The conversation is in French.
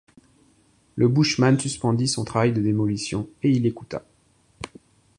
Le bushman suspendit son travail de démolition, et il écouta.